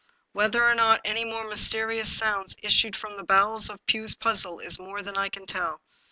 Whether or not any more mysterious sounds issued from the bowels of Pugh's puzzle is more than I can tell.